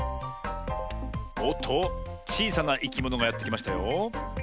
おっとちいさないきものがやってきましたよ。